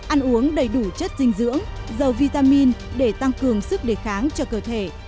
ăn uống đầy đủ chất dinh dưỡng dầu vitamin để tăng cường sức đề kháng cho cơ thể